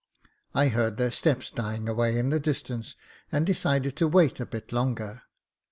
I heard their steps dying away in the distance, and decided to wait a bit longer.